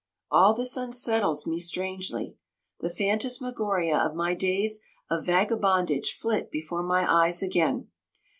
All this unsettles me strangely. The phantasmagoria of my days of vagabondage flit before my eyes again.